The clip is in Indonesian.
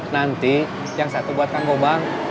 nanti yang satu buat kang gobang